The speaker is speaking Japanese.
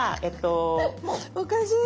おかしい。